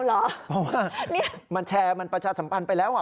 เพราะว่ามันแชร์มันประชาสัมพันธ์ไปแล้วอ่ะ